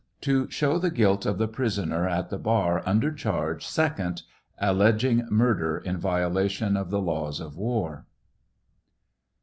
To show the guilt of the prisoner at the bar under charge second, alleg ing murder in violation of the laws of war.